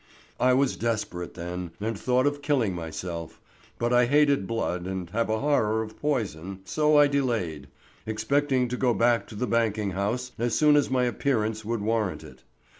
I was desperate then and thought of killing myself, but I hated blood and have a horror of poison, so I delayed, expecting to go back to the banking house as soon as my appearance would warrant it.